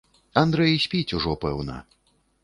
Андрэй спіць ужо, пэўна.